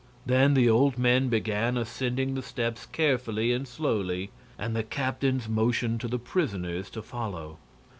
Then the old men began ascending the steps carefully and slowly, and the captains motioned to the prisoners to follow.